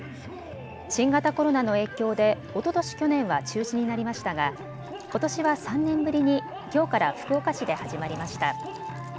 新型コロナの影響でおととし、去年は中止になりましたが、ことしは３年ぶりにきょうから福岡市で始まりました。